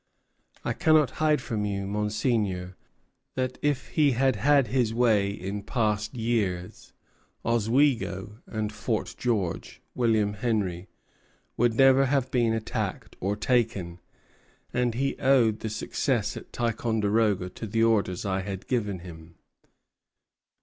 "I cannot hide from you, Monseigneur, that if he had had his way in past years Oswego and Fort George [William Henry] would never have been attacked or taken; and he owed the success at Ticonderoga to the orders I had given him."